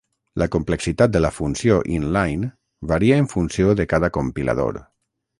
La complexitat de la funció Inline varia en funció de cada compilador.